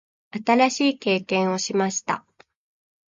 新しい経験をしました。